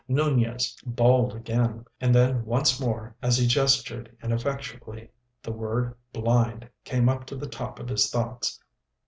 Nunez bawled again, and then once more, and as he gestured ineffectually the word "blind" came up to the top of his thoughts.